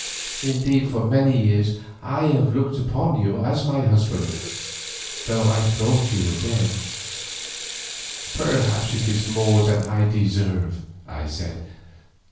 Indeed for many years I have looked upon you as my husband, though I thought you dead." "Perhaps it is more than I deserve," I said.